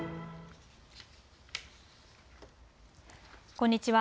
こんにちは。